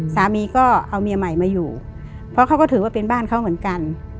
สามีก็เอาเมียใหม่มาอยู่เพราะเขาก็ถือว่าเป็นบ้านเขาเหมือนกัน